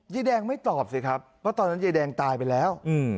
ยายแดงไม่ตอบสิครับเพราะตอนนั้นยายแดงตายไปแล้ว